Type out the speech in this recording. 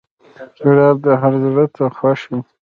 ګلاب هر زړه ته خوښ وي.